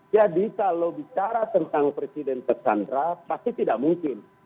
jadi kalau bicara tentang presiden tersandra pasti tidak mungkin